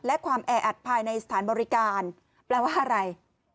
และความแออัดภายในสถานบริการแปลว่าอะไร